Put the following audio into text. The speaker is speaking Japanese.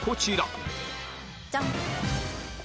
ジャン！